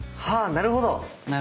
なるほど。